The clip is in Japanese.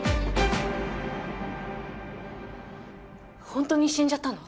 ホントに死んじゃったの！？